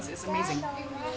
itu menarik untukku